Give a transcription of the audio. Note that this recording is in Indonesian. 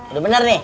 udah bener nih